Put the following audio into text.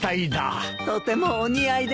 とてもお似合いですよ。